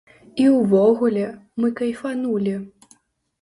І ўвогуле, мы кайфанулі!